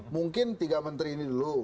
mungkin tiga menteri ini dulu